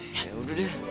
ya udah deh